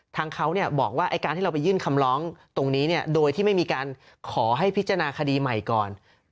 ทางเขาบอกว่าการที่เราไปยื่นคำร้องตรงนี้โดยที่ไม่มีการขอให้พิจารณาคดีใหม่ก่อน